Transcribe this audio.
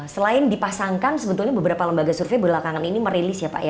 selain dipasangkan sebetulnya beberapa lembaga survei belakangan ini merilis ya pak ya